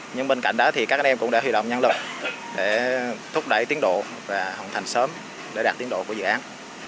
nhưng bên cạnh đó thì các anh em cũng đã huy động nhân lực để thúc đẩy tiến độ và hồng thành sớm để đạt tiến độ của dự án